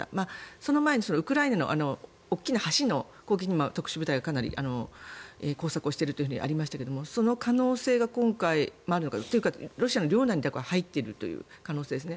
その前にウクライナの大きな橋の攻撃の特殊部隊が工作をしているとありましたがその可能性が今回もあるのかというか、ロシア領内に入っている可能性ですね。